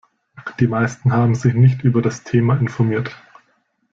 Die meisten haben sich nicht über das Thema informiert.